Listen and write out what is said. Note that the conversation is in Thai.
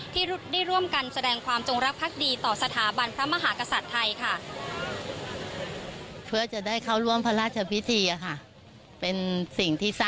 ที่ได้ร่วมกันแสดงความจงรักภักดีต่อสถาบันพระมหากษัตริย์ไทยค่ะ